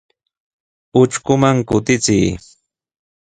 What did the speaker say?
Utrkuman kutichiy.